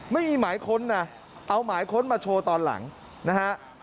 ไม่มีหมายค้นนะเอาหมายค้นมาโชว์ตอนหลังนะฮะ